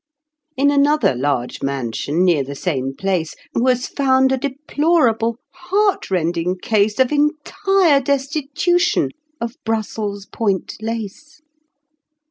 In another large mansion near the same place Was found a deplorable, heartrending case Of entire destitution of Brussels point lace.